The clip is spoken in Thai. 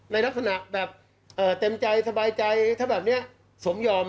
ในลักษณะแบบเต็มใจสบายใจถ้าแบบนี้สมยอม